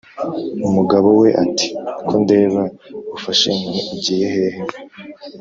umugabo we ati: "ko ndeba ufashe inkoni ugiye hehe ?